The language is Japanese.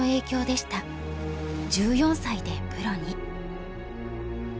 １４歳でプロに。